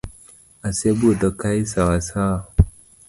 Asebudho kae sawa sawa.